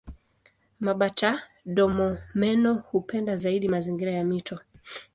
Mabata-domomeno hupenda zaidi mazingira ya mito.